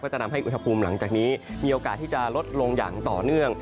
จะทำให้อุณหภูมิหลังจากนี้มีโอกาสที่จะลดลงอย่างต่อเนื่อง